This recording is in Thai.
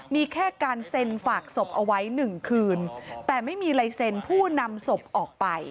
มีแค่การเซ็นฝากศพเอาไว้หนึ่งคืนแต่ไม่มีลายเซ็นผู้นำศพออกไป